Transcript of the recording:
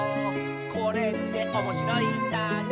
「これっておもしろいんだね」